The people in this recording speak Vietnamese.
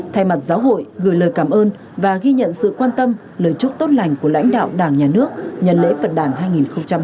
thay mặt giáo hội gửi lời cảm ơn và ghi nhận sự quan tâm lời chúc tốt lành của lãnh đạo đảng nhà nước nhân lễ phật đảng hai nghìn một mươi chín